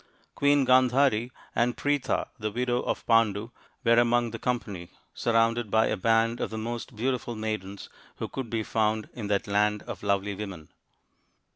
Queen Gandhari and Pritha, the widow of Pandu, were among the com pany, surrounded by a band of the most beautiful maidens who could be found in that land of lovely women.